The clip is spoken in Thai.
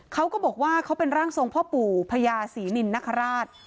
เขาก็บอกว่าเขาเป็นร่างทรงพ่อปู่พญาศรีนินนคราช